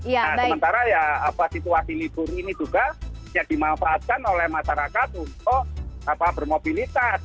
nah sementara ya situasi libur ini juga ya dimanfaatkan oleh masyarakat untuk bermobilitas